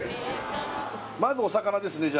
まずお魚ですね